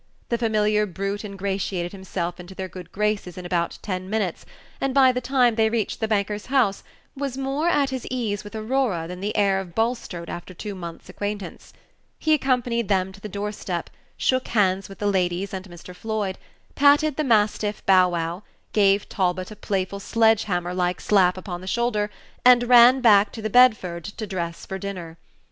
The familiar brute ingratiated himself into their good graces in about ten minutes, and by the time they reached the banker's house was more at his case with Aurora than the heir of Bulstrode after two months acquaintance. He accompanied them to the door step, shook hands with the ladies and Mr. Floyd, patted the mastiff Bow wow, gave Talbot a playful sledge hammer like slap upon the shoulder, and ran back to the Bedford to dress for dinner.